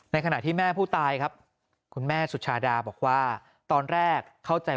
ขณะที่แม่ผู้ตายครับคุณแม่สุชาดาบอกว่าตอนแรกเข้าใจ